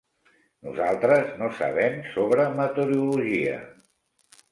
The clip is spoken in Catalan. Nosaltres no sabem sobre meteorologia.